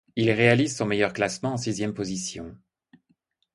Il réalise son meilleur classement en sixième position.